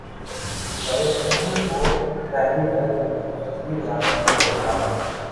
شاید یہی وہ پہلو ہے جو ہمیں فتوی لگانے سے روکتا ہے۔